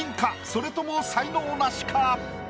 それとも才能ナシか？